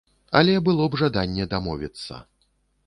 Але было б жаданне дамовіцца.